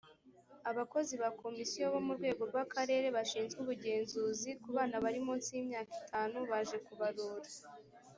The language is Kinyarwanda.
abakozi ba komisiyo bo mu rwego rwa karere bashizwe ubugenzuzi kubana bari munsi y’ imyaka itanu baje ku barura